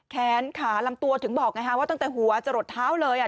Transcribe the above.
แขนขาลำตัวถึงบอกไงฮะว่าตั้งแต่หัวจะหลดเท้าเลย